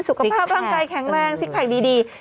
สุขภาพร่างกายแข็งแรงซิกแพคดี